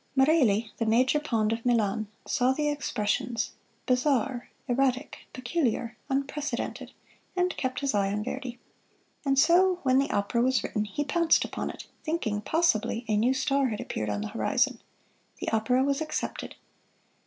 Merelli, the Major Pond of Milan, saw the expressions "bizarre," "erratic," "peculiar," "unprecedented," and kept his eye on Verdi. And so when the opera was written he pounced upon it, thinking possibly a new star had appeared on the horizon. The opera was accepted.